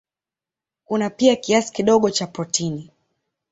Kuna pia kiasi kidogo cha protini.